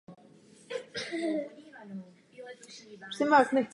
S tím se musíme už jednou pro vždy přestat.